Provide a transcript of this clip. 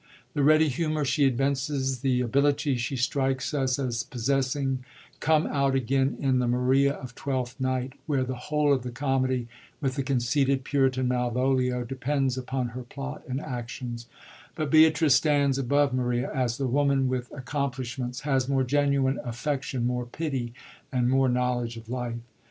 The ready humor she evinces, the ability she strikes us as possessing, come out again in the Maria of Twelfth Night, where the whole of the comedy with the conceited puritan, Malvolio, depends upon her plot and actions; but Beatrice stands above Maria as the woman with ac complishments, has more genuine affection, more pity, and more knowledge of life.